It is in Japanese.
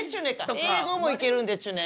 英語もいけるんでちゅね。